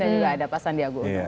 dan juga ada pak sandiago